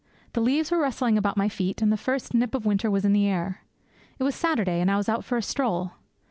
The leaves were rustling about my feet, and the first nip of winter was in the air. It was Saturday, and I was out for a stroll.